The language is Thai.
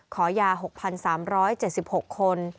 ขอยา๖๐๐๐คน